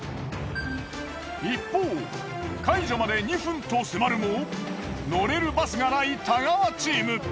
一方解除まで２分と迫るも乗れるバスがない太川チーム。